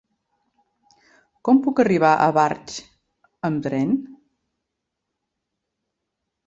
Com puc arribar a Barx amb tren?